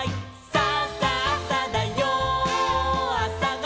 「さあさあさだよあさごはん」